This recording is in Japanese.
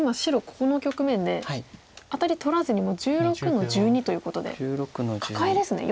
ここの局面でアタリ取らずにもう１６の十二ということでカカエですね。